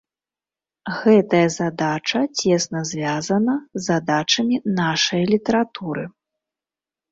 Гэтая задача цесна звязана з задачамі нашае літаратуры.